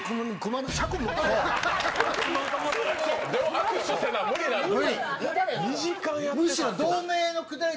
握手せな無理なんだ。